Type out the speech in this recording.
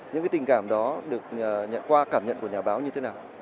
những tình cảm đó được nhận qua cảm nhận của nhà báo như thế nào